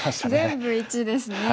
全部１ですね。